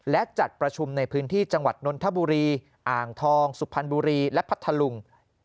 และจัดประชุมในพื้นที่จังหวัดนนทบุรีอ่างทองสุพรรณบุรีและพัทธลุง